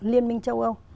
liên minh châu âu